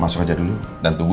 masuk aja dulu dan tunggu